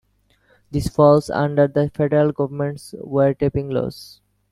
This falls under the federal government's 'wire tapping' laws.